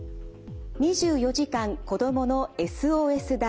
２４時間子どものＳＯＳダイヤル。